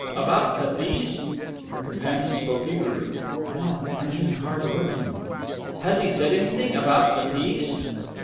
"About the piece?" Her companion spoke eagerly. "No; I meant hard working." "Has he said anything about the piece?"